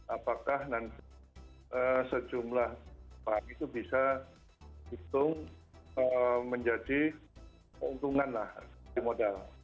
apakah nanti sejumlah barang itu bisa hitung menjadi keuntungan lah di modal